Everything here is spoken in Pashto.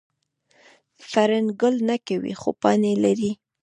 فرن ګل نه کوي خو پاڼې لري